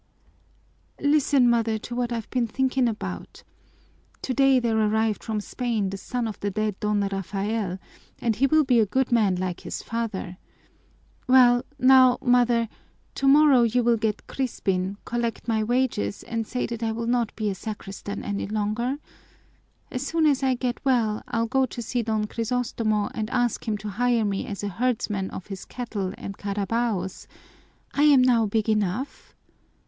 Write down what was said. "Listen, mother, to what I've been thinking about. Today there arrived from Spain the son of the dead Don Rafael, and he will be a good man like his father. Well now, mother, tomorrow you will get Crispin, collect my wages, and say that I will not be a sacristan any longer. As soon as I get well I'll go to see Don Crisostomo and ask him to hire me as a herdsman of his cattle and carabaos I'm now big enough.